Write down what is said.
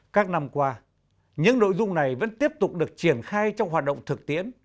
các năm qua những nội dung này vẫn tiếp tục được triển khai trong hoạt động thực tiễn